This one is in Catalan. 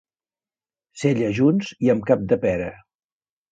Cellajunts i amb cap de pera.